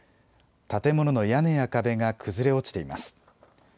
建物の屋根や壁が崩れ落ちています。